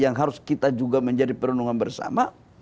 yang harus kita juga menjadi perundungan bersama